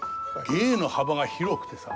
芸の幅が広くてさ。